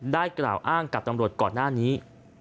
กล่าวอ้างกับตำรวจก่อนหน้านี้